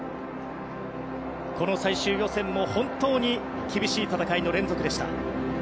この最終予選も本当に厳しい戦いの連続でした。